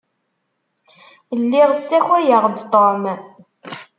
Lliɣ ssakayeɣ-d Tom.